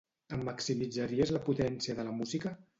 Em maximitzaries la potència de la música?